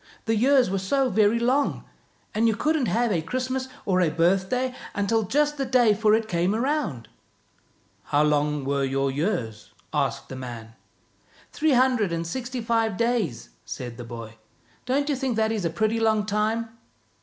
The years were so very long, and you couldn't have a Christmas or a birthday until just the day for it came round." " How long were your years? " asked the man. " Three hundred and sixty five days," said the boy. " Don't you think that is a pretty long time?